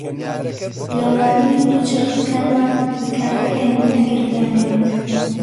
لەوانەیە دووچەرخەکانمان بەکاربهێنن ئەگەر بیانەوێت.